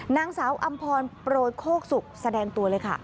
นางสาวอำพรโปรยโคกสุกแสดงตัวเลยค่ะ